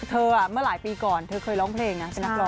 เมื่อหลายปีก่อนเธอเคยร้องเพลงนะเป็นนักร้อง